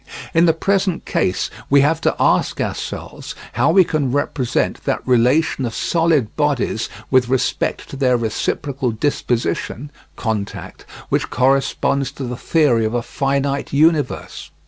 In the present case we have to ask ourselves how we can represent that relation of solid bodies with respect to their reciprocal disposition (contact) which corresponds to the theory of a finite universe.